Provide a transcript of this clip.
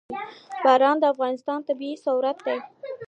باران د افغانستان طبعي ثروت دی.